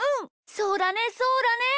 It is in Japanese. そうだねそうだね！